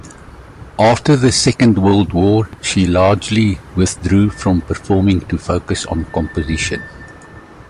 After the Second World War she largely withdrew from performing to focus on composition.